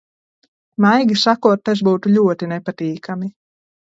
Maigi sakot, tas būtu ļoti nepatīkami.